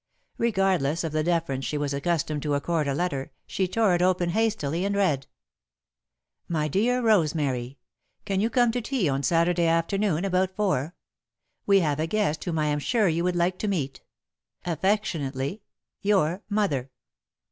Regardless of the deference she was accustomed to accord a letter, she tore it open hastily and read: "MY DEAR ROSEMARY: "Can you come to tea on Saturday afternoon about four? We have a guest whom I am sure you would like to meet. "Affectionately, your "MOTHER."